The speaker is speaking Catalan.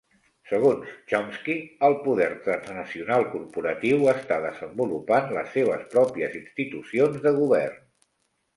Segons Chomsky, el poder transnacional corporatiu està desenvolupant les seves pròpies institucions de govern.